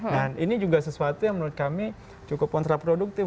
nah ini juga sesuatu yang menurut kami cukup kontraproduktif